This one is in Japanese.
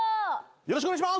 よろしくお願いします。